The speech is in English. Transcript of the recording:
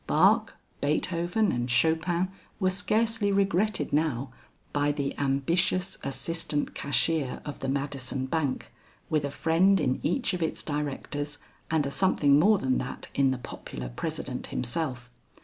Bach, Beethoven and Chopin were scarcely regretted now by the ambitious assistant cashier of the Madison Bank, with a friend in each of its directors and a something more than that in the popular president himself.